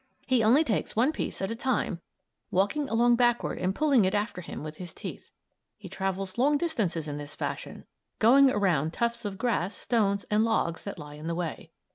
He only takes one piece at a time, walking along backward and pulling it after him with his teeth. He travels long distances in this fashion, going around tufts of grass, stones, and logs that lie in the way.